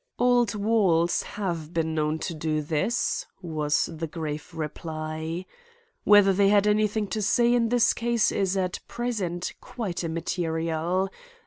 "Old walls have been known to do this," was the grave reply. "Whether they had anything to say in this case is at present quite immaterial.